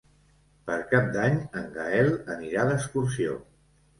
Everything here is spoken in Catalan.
Per Cap d'Any en Gaël anirà d'excursió.